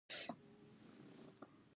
د ليکوال په کومه افسانه رغ کړے شوې ده.